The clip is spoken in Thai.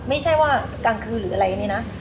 ไม่ใช่ว่ากลางคืนหรืออะไรเนี่ยนะ